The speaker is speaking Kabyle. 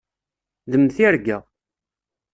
D mm tirga.